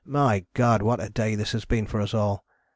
My God! what a day this have been for us all.